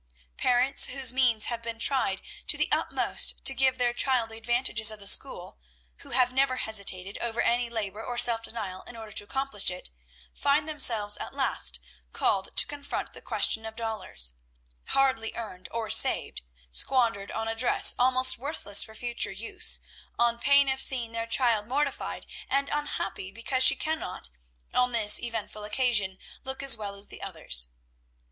Parents whose means have been tried to the utmost to give their child the advantages of the school, who have never hesitated over any labor or self denial in order to accomplish it, find themselves at last called to confront the question of dollars, hardly earned or saved, squandered on a dress almost worthless for future use, on pain of seeing their child mortified and unhappy because she cannot, on this eventful occasion, look as well as the others.